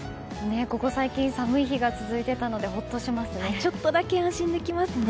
ここ最近寒い日が続いていたのでちょっとだけ安心できますね。